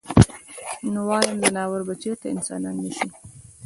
نو وايم ځناور به چرته انسانان نشي -